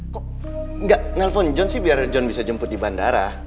kok nggak nelfon john sih biar john bisa jemput di bandara